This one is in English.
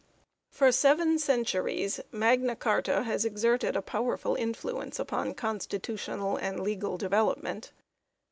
D. FOR seven centuries Magna Carta has exerted a power ful influence upon constitutional and legal development.